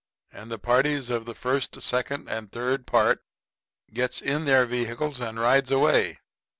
And the parties of the first, second and third part gets in their vehicles and rides away.